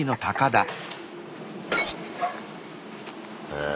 へえ。